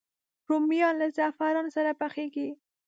رومیان له زعفران سره پخېږي